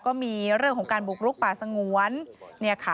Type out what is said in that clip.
ก็มีเรื่องของการบุกรุกป่าสงวน